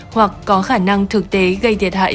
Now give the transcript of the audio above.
hoặc có khả năng thực tế gây thiệt hại